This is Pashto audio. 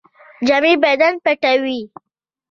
جامې بدن پټوي